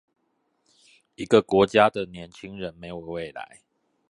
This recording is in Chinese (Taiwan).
一個國家的年輕人沒有未來